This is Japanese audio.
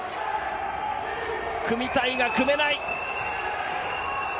組みたいが、組めない。